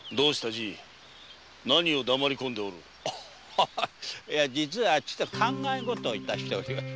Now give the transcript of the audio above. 実はちと考えごとを致しておりましてな。